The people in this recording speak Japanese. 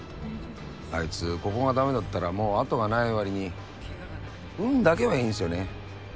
あいつここがダメだったらもう後がない割に運だけはいいんですよね。